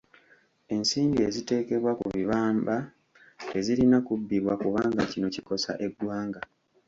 ensimbi eziteekebwa ku bibamba tezirina kubbibwa kubanga kino kikosa eggwanga.